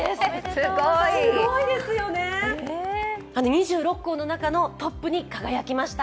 ２６校の中のトップに輝きました。